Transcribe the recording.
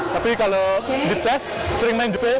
tapi kalau di plus sering main juventus